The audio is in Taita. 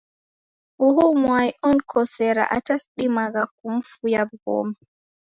Uhu mwai onikosera ata sidimagha kumufuya wu'ghoma